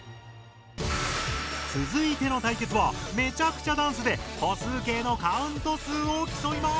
つづいての対決はめちゃくちゃダンスで歩数計のカウント数を競います！